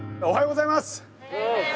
おはようございます。